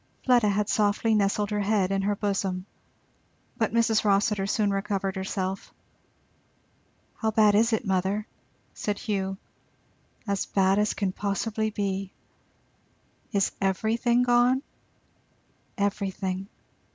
Fleda had softly nestled her head in her bosom. But Mrs. Rossitur soon recovered herself. "How bad is it, mother?" said Hugh. "As bad as can possibly be." "Is everything gone?" "Everything."